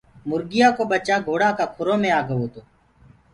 مرگيآ ڪو ٻچآ گھوڙآ ڪآ کُرو مي آگو تو۔